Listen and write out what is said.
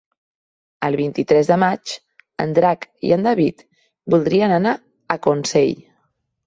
El vint-i-tres de maig en Drac i en David voldrien anar a Consell.